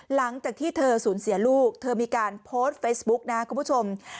หลังจากที่เธอสูญเสียลูกเธอมีการโพสต์เฟซบุ๊กนะคุณผู้ชม